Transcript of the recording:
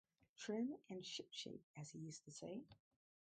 Trim, and ship-shape, as he used to say.